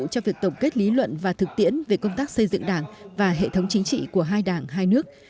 cho việc tổng kết lý luận và thực tiễn về công tác xây dựng đảng và hệ thống chính trị của hai đảng hai nước